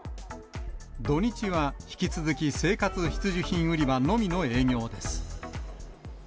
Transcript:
土日は引き続き生活必需品売り場のみの営業です。